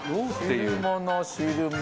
汁物汁物。